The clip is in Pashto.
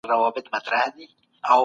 کتابونه د پوهانو لخوا لیکل سوي دي.